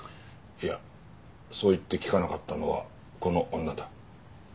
いやそう言って聞かなかったのはこの女だ。